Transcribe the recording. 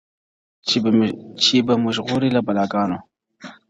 چي به مو ژغوري له بلاګانو،